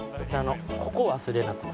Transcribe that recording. ここ忘れなくな。